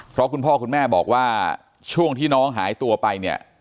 เพราะคุณพ่อคุณแม่บอกว่าช่วงที่น้องหายตัวไปเนี่ย